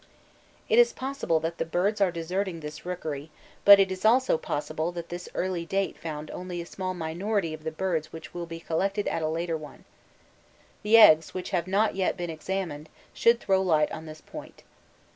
It is possible the birds are deserting this rookery, but it is also possible that this early date found only a small minority of the birds which will be collected at a later one. The eggs, which have not yet been examined, should throw light on this point.